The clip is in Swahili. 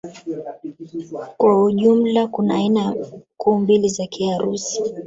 Kwa ujumla kuna aina kuu mbili za Kiharusi